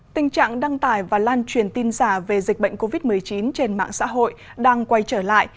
tình trạng đăng tải và lan truyền tin giả về dịch bệnh covid một mươi chín trên mạng xã hội đang quay trở lại